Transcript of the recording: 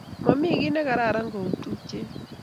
momi kiy nekararan kou tupchet